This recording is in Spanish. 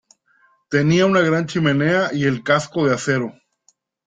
Tenía una gran chimenea y el casco de acero.